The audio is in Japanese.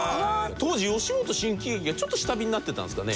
当時吉本新喜劇がちょっと下火になってたんですかね？